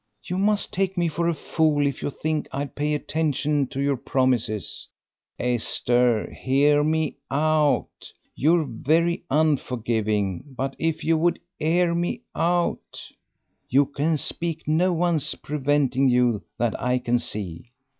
"You must take me for a fool if you think I'd pay attention to your promises." "Esther, hear me out; you're very unforgiving, but if you'd hear me out " "You can speak; no one's preventing you that I can see."